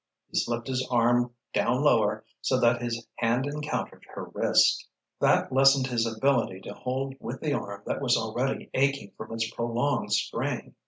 He slipped his arm down lower so that his hand encountered her wrist. That lessened his ability to hold with the arm that was already aching from its prolonged strain.